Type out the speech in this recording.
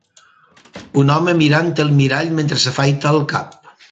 Un home mirant el mirall mentre s'afaita el cap